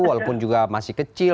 walaupun juga masih kecil